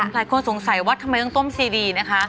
หลายคนสงสัยว่าทำไมต้องต้มซีดีนะคะ